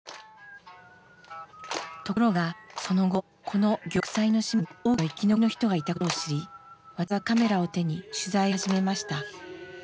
ところがその後この玉砕の島に多くの生き残りの人がいたことを知り私はカメラを手に取材を始めました。